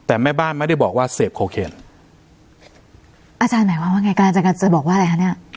แต่แม่บ้านไม่ได้บอกว่าเสพโคเคนอาจารย์หมายความว่าไงการจะบอกว่าอะไรคะเนี้ย